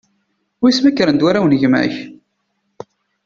Wiss ma kkren-d warraw n gma-k?